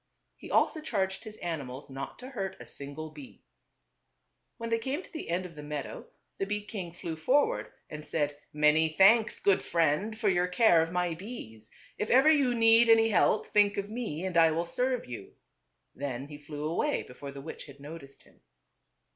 He also charged his animals not to hurt a single bee. When they came to the end of the meadow the bee king flew forward and said, "Many thanks, good friend, for your care of my bees. If ever you need any help, think of me and I will serve you." Then he flew away before the witch had noticed him.